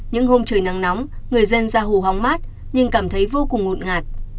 những hôm trời nắng nóng người dân ra hồ hóng mát nhưng cảm thấy vô cùng ngộn ngạt